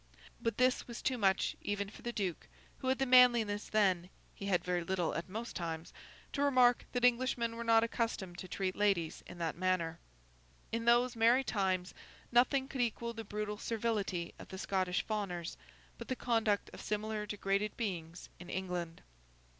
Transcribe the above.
But this was too much even for the Duke, who had the manliness then (he had very little at most times) to remark that Englishmen were not accustomed to treat ladies in that manner. In those merry times nothing could equal the brutal servility of the Scottish fawners, but the conduct of similar degraded beings in England.